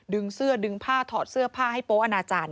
ดึงเสื้อดึงผ้าถอดเสื้อผ้าให้โป๊อนาจารย